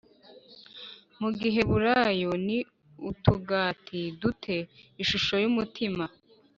Mu giheburayo ni utugati du te ishusho y umutima